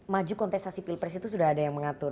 maju kontestasi pilpres itu sudah ada yang mengatur